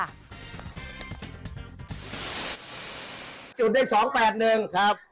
จุดได้๒๘๑ครับ